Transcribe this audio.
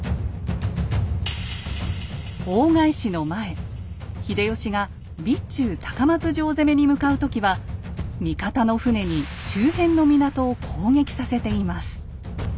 大返しの前秀吉が備中高松城攻めに向かう時は味方の船に周辺の港を攻撃させています。